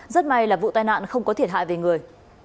rất may là vụ tai nạn không có thiệt hại về người